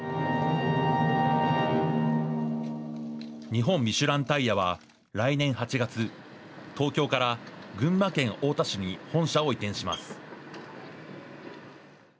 日本ミシュランタイヤは来年８月、東京から群馬県太田市に本社を移転します。